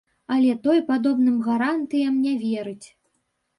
Але той падобным гарантыям не верыць.